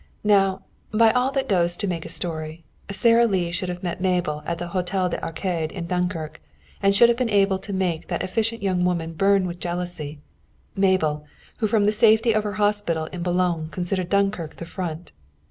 Now, by all that goes to make a story, Sara Lee should have met Mabel at the Hôtel des Arcades in Dunkirk, and should have been able to make that efficient young woman burn with jealousy Mabel, who from the safety of her hospital in Boulogne considered Dunkirk the Front.